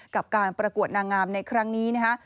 กับการประกวดนางงามในครั้งนี้นะฮะ